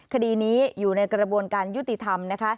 คดีนี้อยู่ในกระบวนการยุติธรรมนะคะ